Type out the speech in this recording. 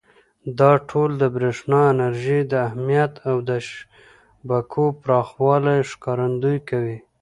دا ټول د برېښنا انرژۍ د اهمیت او د شبکو پراخوالي ښکارندویي کوي.